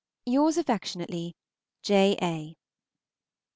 Yours affectionately, J. A.